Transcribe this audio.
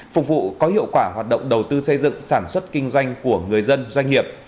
phục vụ có hiệu quả hoạt động đầu tư xây dựng sản xuất kinh doanh của người dân doanh nghiệp